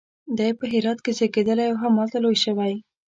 دی په هرات کې زیږېدلی او همالته لوی شوی.